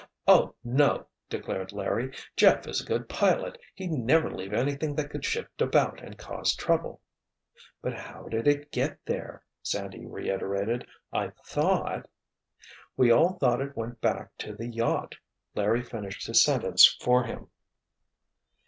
"Oh, no!" declared Larry. "Jeff is a good pilot. He'd never leave anything that could shift about and cause trouble." "But how did it get there?" Sandy reiterated. "I thought——" "We all thought it went back to the yacht," Larry finished his sentence for him.